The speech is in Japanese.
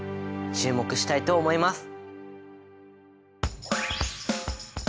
注目したいと思います。